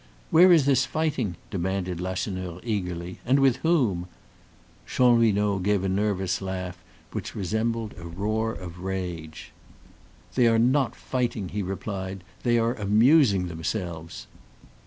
"Where is this fighting?" demanded Lacheneur eagerly; "and with whom?" Chanlouineau gave a nervous laugh which resembled a roar of rage. "They are not fighting," he replied; "they are amusing themselves.